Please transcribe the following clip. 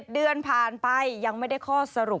๗เดือนผ่านไปยังไม่ได้ข้อสรุป